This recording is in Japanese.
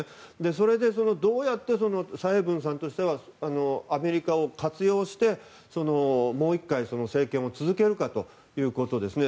それで、どうやって蔡英文さんとしてはアメリカを活用してもう１回、政権を続けるかということですね。